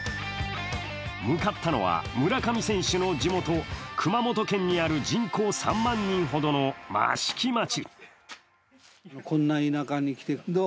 向かったのは村上選手の地元・熊本県にある人口３万人ほどの益城町。